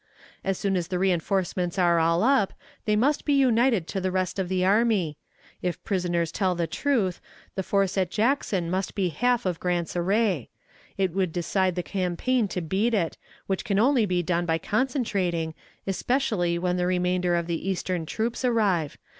As soon as the reënforcements are all up, they must be united to the rest of the army. ... If prisoners tell the truth, the force at Jackson must be half of Grant's array. It would decide the campaign to beat it, which can only be done by concentrating, especially when the remainder of the eastern troops arrive.